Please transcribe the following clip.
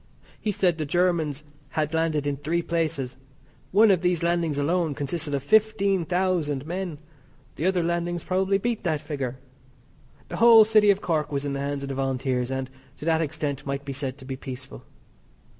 He said the Germans had landed in three places. One of these landings alone consisted of fifteen thousand men. The other landings probably beat that figure. The whole City of Cork was in the hands of the Volunteers, and, to that extent, might be said to be peaceful.